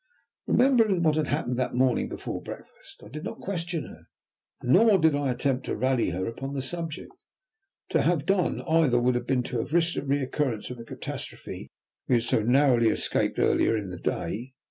Remembering what had happened that morning before breakfast, I did not question her, nor did I attempt to rally her upon the subject. To have done either would have been to have risked a recurrence of the catastrophe we had so narrowly escaped earlier in the day.